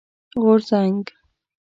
غورځنګ